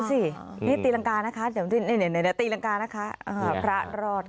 ทะเบียนรถของพระท่านสามเก้าแก้ดโหก